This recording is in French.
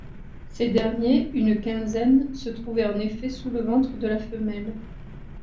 Ces derniers, une quinzaine, se trouvaient en effet sous le ventre de la femelle.